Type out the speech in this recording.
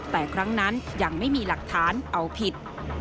แต่ครั้งนั้นยังไม่มีหลักฐานเอาผิด